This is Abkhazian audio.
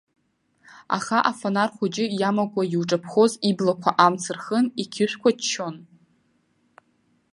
Аха, афанар хәыҷы иамакуа иуҿаԥхоз иблақәа амца рхын, иқьышәқәа ччон.